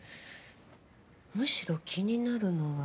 むしろ気になるのは。